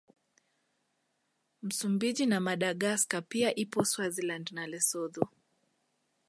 Msumbiji na Madagaska pia ipo Swaziland na Lesotho